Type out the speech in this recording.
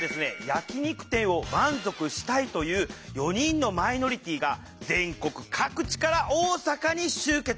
焼き肉店を満足したいという４人のマイノリティーが全国各地から大阪に集結。